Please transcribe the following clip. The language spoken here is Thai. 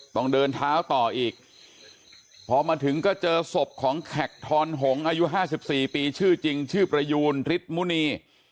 ต้องเดินเท้าต่ออีกพอมาถึงก็เจอศพของแขกทอนหงอายุ๕๔ปีชื่อจริงชื่อประยูนฤทธมุณี